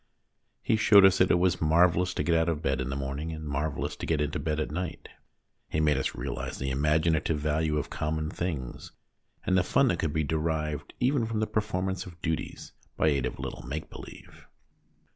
He showed us that it was marvellous to get out of bed in the morning, and marvellous to get into bed at night. He made us realise the imaginative value of common things, and the fun that could be derived even from the performance of duties, by aid of a little make believe.